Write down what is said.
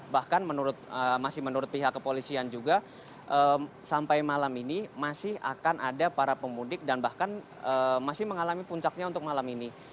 bahkan masih menurut pihak kepolisian juga sampai malam ini masih akan ada para pemudik dan bahkan masih mengalami puncaknya untuk malam ini